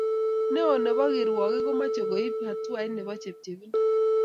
neo nebo kirwogik komache koib hatuait nebo chepchepindo